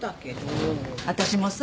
私もさ。